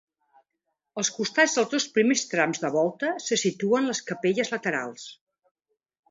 Als costats dels dos primers trams de volta se situen les capelles laterals.